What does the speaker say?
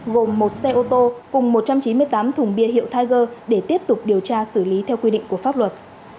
gồm một xe ô tô cùng một trăm chín mươi tám thùng bia hiệu tháiger để tiếp tục điều tra xử lý theo quy định của pháp luật